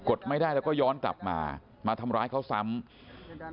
ดไม่ได้แล้วก็ย้อนกลับมามาทำร้ายเขาซ้ำ